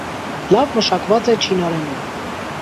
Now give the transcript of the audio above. Լավ մշակված է չինարենում։